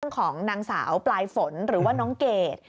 ของนางสาวปลายฝนหรือว่าน้องเกด